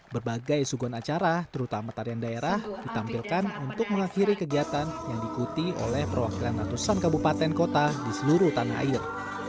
berbagai suguhan acara terutama tarian daerah ditampilkan untuk mengakhiri kegiatan yang diikuti oleh perwakilan ratusan kabupaten kota di seluruh tanah air